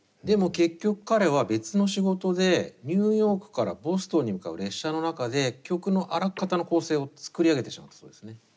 でも結局彼は別の仕事でニューヨークからボストンに向かう列車の中で曲のあらかたの構成を作り上げてしまったそうですね。